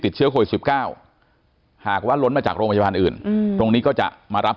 ติดเชื้อโควิด๑๙หากว่าล้นมาจากโรงพยาบาลอื่นตรงนี้ก็จะมารับ